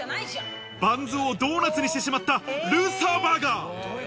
バンズをドーナツにしてしまった、ルーサーバーガー。